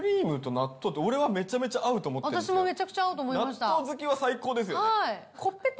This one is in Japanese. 納豆好きは最高ですよね